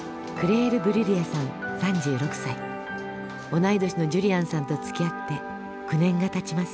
同い年のジュリアンさんとつきあって９年がたちます。